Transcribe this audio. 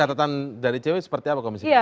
catatan dari cewek seperti apa komisi kejaksaan